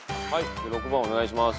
６番お願いします。